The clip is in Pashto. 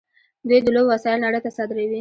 دوی د لوبو وسایل نړۍ ته صادروي.